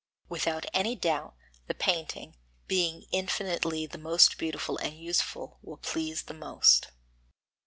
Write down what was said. Without any doubt, the painting, being infinitely the most beautiful and useful, will please the most.